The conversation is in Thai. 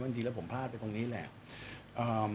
จริงแล้วผมพลาดไปตรงนี้แหละ